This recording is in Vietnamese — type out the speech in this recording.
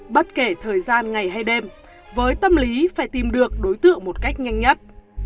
bất kể thời gian ngày hay đêm với tâm lý phải tìm được đối tượng một cách nhanh nhất